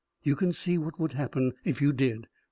You can see what would happen if you did?